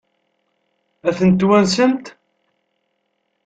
Ad tent-twansemt?